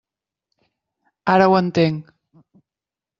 Ara ho entenc.